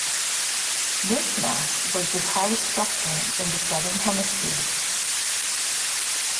This mast was the tallest structure in the southern hemisphere.